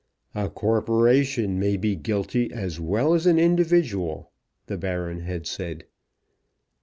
"A corporation may be guilty as well as an individual," the Baron had said.